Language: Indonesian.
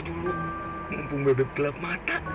dulu mumpung bebek telap mata